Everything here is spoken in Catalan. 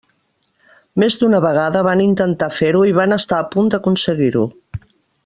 Més d'una vegada van intentar fer-ho i van estar a punt d'aconseguir-ho.